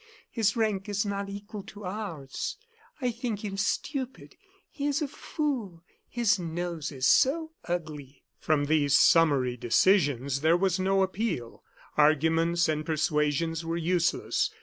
His rank is not equal to ours. I think him stupid. He is a fool his nose is so ugly." From these summary decisions there was no appeal. Arguments and persuasions were useless.